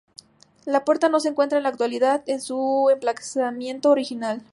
La puerta no se encuentra en la actualidad en su emplazamiento original.